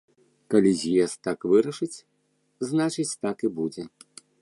Калі з'езд так вырашыць, значыць, так і будзе.